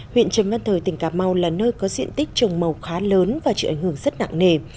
huyện trần văn thời tỉnh cà mau là nơi có diện tích trồng màu khá lớn và chịu ảnh hưởng rất nặng nề